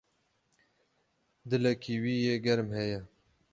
Dilekî wî yê germ heye.